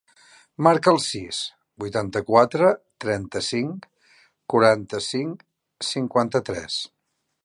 Marca el sis, vuitanta-quatre, trenta-cinc, quaranta-cinc, cinquanta-tres.